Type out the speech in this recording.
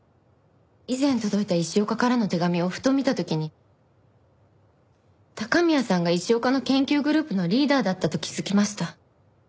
以前届いた石岡からの手紙をふと見た時に高宮さんが石岡の研究グループのリーダーだったと気づきました。